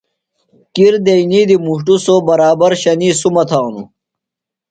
کِر دئنی دی مُݜٹوۡ سوۡ، برابر شنی سُمہ تھانوۡ